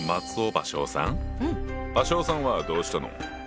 芭蕉さんはどうしたの？